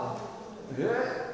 えっ？